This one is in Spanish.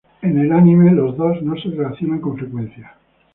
En el anime, los dos no se relacionan con frecuencia.